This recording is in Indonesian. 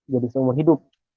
jadi seumur hidup